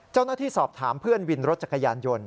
เจ้าหน้าที่สอบถามเพื่อนวินรถจักรยานยนต์